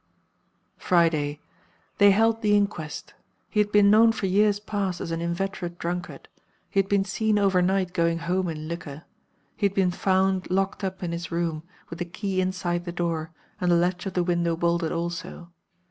"Friday They held the inquest. He had been known for years past as an inveterate drunkard, he had been seen overnight going home in liquor; he had been found locked up in his room, with the key inside the door, and the latch of the window bolted also.